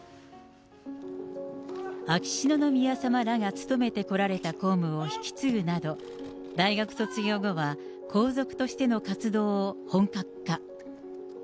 秋篠宮さまらが務めてこられた公務を引き継ぐなど、大学卒業後は皇族としての活動を本格化。